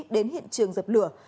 đến hiện trường dập lửa